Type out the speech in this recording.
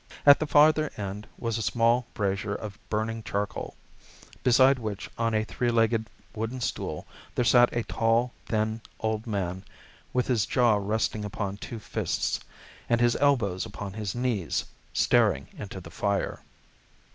At the farther end was a small brazier of burning charcoal, beside which on a three legged wooden stool there sat a tall, thin old man, with his jaw resting upon his two fists, and his elbows upon his knees, staring into the fire.